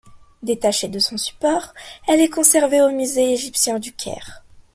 Détachée de son support, elle est conservée au musée égyptien du Caire.